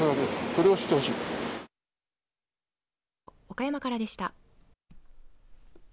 岡山からでした。